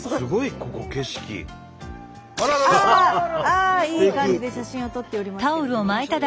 ああいい感じで写真を撮っておりますけれどもね。